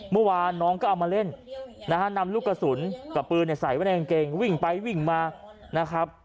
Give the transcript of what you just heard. เมื่อวานน้องก็เอามาเล่นนะฮะนำลูกกระสุนกับปืนใส่ไว้ในกางเกงวิ่งไปวิ่งมานะครับ